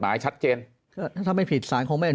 เพราะอาชญากรเขาต้องปล่อยเงิน